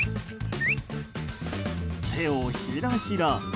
手をひらひら。